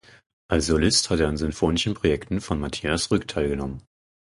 Als Solist hat er an sinfonischen Projekten von Mathias Rüegg teilgenommen.